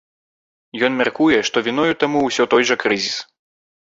Ён мяркуе, што віною таму ўсё той жа крызіс.